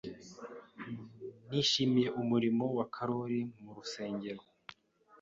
Nishimiye umurimo wa Karoli mu rusengero.